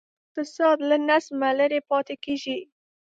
اقتصاد له نظمه لرې پاتې کېږي.